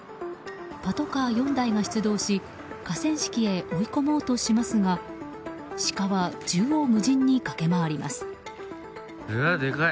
パトカー４台が出動し河川敷へ追い込もうとしますがシカは縦横無尽に駆け回ります。